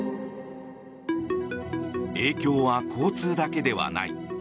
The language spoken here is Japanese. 影響は、交通だけではない。